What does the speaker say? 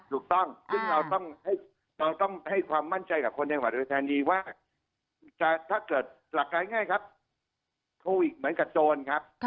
ถูกต้องซึ่งเราต้องให้ความมั่นใจกับคนจังหวัดโดยแทนดีว่าถ้าเกิดหลักการง่ายครับโควิดเหมือนกับโจรครับ